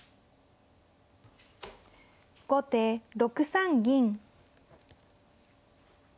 後手６三銀。